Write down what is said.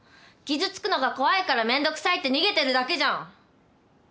傷つくのが怖いからめんどくさいって逃げてるだけじゃん！